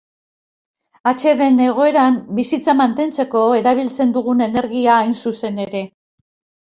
Atseden egoeran bizitza mantentzeko erabiltzen dugun energia hain zuzen ere.